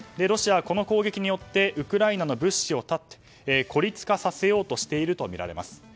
ロシア、この攻撃によってウクライナへの物資を断ち孤立化させようとしているとみられます。